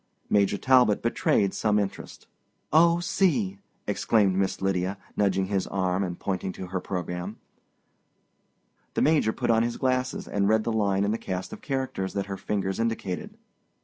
Major Talbot betrayed some interest. "Oh, see!" exclaimed Miss Lydia, nudging his arm, and pointing to her program. The Major put on his glasses and read the line in the cast of characters that her fingers indicated.